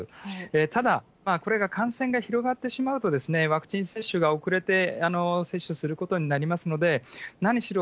ただ、これが感染が広がってしまうと、ワクチン接種が遅れて接種することになりますので、何しろ、